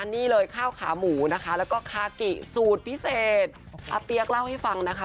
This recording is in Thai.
นี่เลยข้าวขาหมูนะคะแล้วก็คากิสูตรพิเศษอาเปี๊ยกเล่าให้ฟังนะคะ